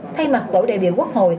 thay mặt tổ đại biểu quốc hội